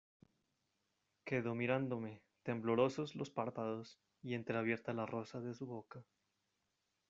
quedó mirándome, temblorosos los párpados y entreabierta la rosa de su boca.